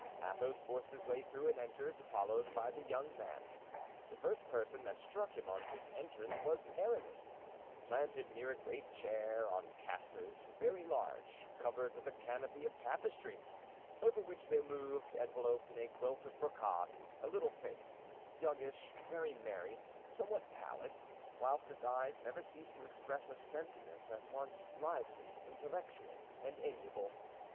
Athos forced his way through and entered, followed by the young man. The first person that struck him on his entrance was Aramis, planted near a great chair on castors, very large, covered with a canopy of tapestry, under which there moved, enveloped in a quilt of brocade, a little face, youngish, very merry, somewhat pallid, whilst its eyes never ceased to express a sentiment at once lively, intellectual, and amiable.